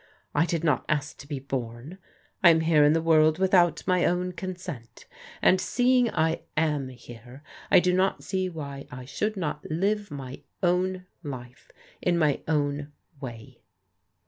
I did not ask to be bom. I am here in the world without my own consent, and seeing I am here, I do not see why I should not live my own life in my own way."